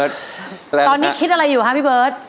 ตอนนี้คิดอะไรอยู่ครับพี่เบิร์ต